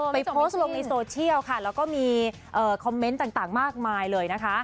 โพสต์ลงในโซเชียลค่ะแล้วก็มีคอมเมนต์ต่างมากมายเลยนะคะ